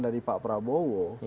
dari pak prabowo